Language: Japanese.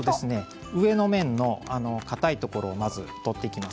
上の芽のかたいところをまず取っていきます。